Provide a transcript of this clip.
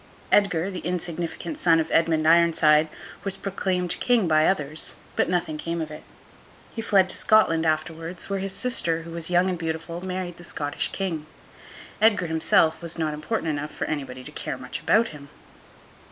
Edgar, the insignificant son of Edmund Ironside, was proclaimed King by others, but nothing came of it. He fled to Scotland afterwards, where his sister, who was young and beautiful, married the Scottish King. Edgar himself was not important enough for anybody to care much about him.